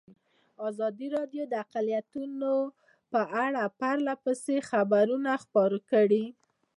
ازادي راډیو د اقلیتونه په اړه پرله پسې خبرونه خپاره کړي.